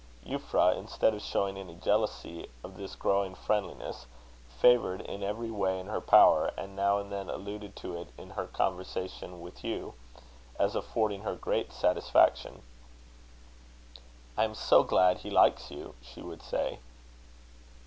Euphra, instead of showing any jealousy of this growing friendliness, favoured it in every way in her power, and now and then alluded to it in her conversations with Hugh, as affording her great satisfaction. "I am so glad he likes you!" she would say.